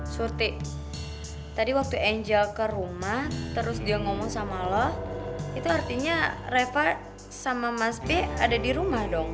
surti tadi waktu angel ke rumah terus dia ngomong sama lo itu artinya reva sama mas p ada di rumah dong